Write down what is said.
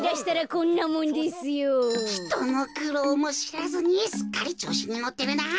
こころのこえひとのくろうもしらずにすっかりちょうしにのってるな。